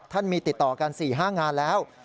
มีติดต่อกัน๔๕งานแล้ว